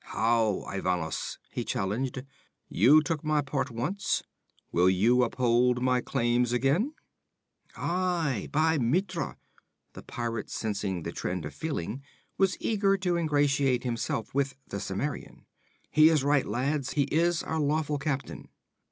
'How, Ivanos!' he challenged. 'You took my part, once. Will you uphold my claims again?' 'Aye, by Mitra!' The pirate, sensing the trend of feeling, was eager to ingratiate himself with the Cimmerian. 'He is right, lads; he is our lawful captain!'